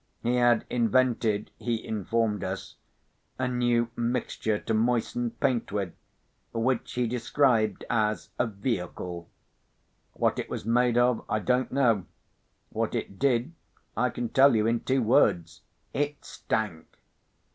He had invented, he informed us, a new mixture to moisten paint with, which he described as a "vehicle." What it was made of, I don't know. What it did, I can tell you in two words—it stank.